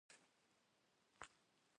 Mo txılhır mıde kheh.